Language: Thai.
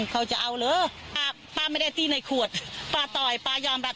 เขาจะเอาหรือป่าป่าไม่ได้ตีในขวดป่าต่อยป่ายอ่อนรัฐ